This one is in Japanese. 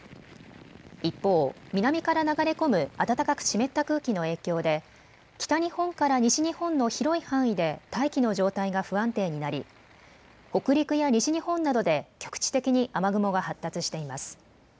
一方、南から流れ込む暖かく湿った空気の影響で北日本から西日本の広い範囲で大気の状態が不安定になり北陸や西日本などで局地的に雨雲が発達しています。